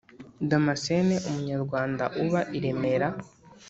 Damascene Umunyarwanda uba i Remera